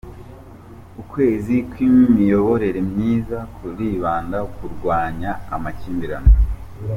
Ukwezi kw’imiyoborere myiza kuribanda ku kurwanya amakimbirane